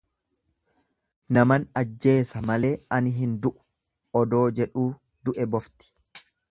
Naman ajjeesa malee an hindu'u odoo jedhuu du'e bofti.